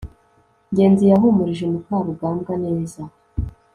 ngenzi yahumurije mukarugambwa neza